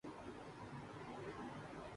ﺍﺱ ﮐﮩﺎﻧﯽ ﻣﯿﮟ ﻣﺠﮭﮯ ﻣﺎﺭ ﺩﯾﺎ ﺟﺎﺋﮯ ﮔﺎ